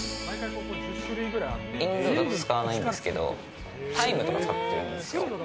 インドだと使わないんですけどタイムとか使ってるんです。